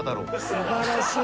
すばらしい。